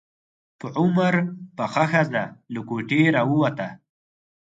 په عمر پخه ښځه له کوټې راووته.